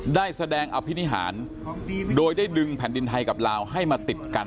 ได้แสดงอภินิหารโดยได้ดึงแผ่นดินไทยกับลาวให้มาติดกัน